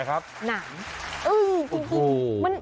อะไรครับ